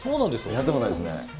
やったことないですね。